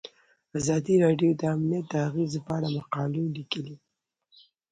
ازادي راډیو د امنیت د اغیزو په اړه مقالو لیکلي.